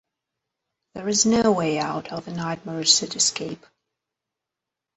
There is no way out of the nightmarish cityscape.